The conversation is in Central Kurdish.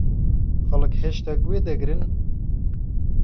خەڵک هێشتا گوێ دەگرن؟